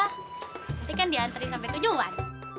nanti kan diantri sampai tujuan